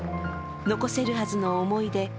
残せるはずの思い出